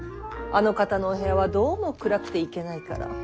あの方のお部屋はどうも暗くていけないから。